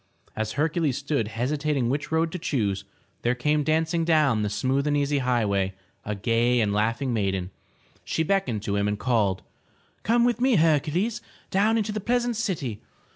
As Hercules stood hesitating which road to choose, there came dancing down the smooth and easy high way a gay and laughing maiden. She beckoned to him and called: " Come with me, Hercules, down into the pleasant city.